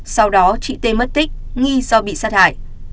sau đó chị tê mất tích nghi do bị sát hại